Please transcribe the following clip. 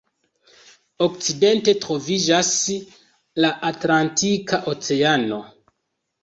Okcidente troviĝas la Atlantika Oceano.